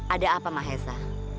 ada apa mahesa